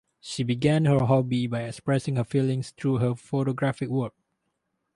She began her hobby by expressing her feelings through her photographic work.